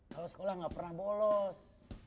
kalau sekolah nggak pernah bolos